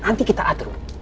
nanti kita atur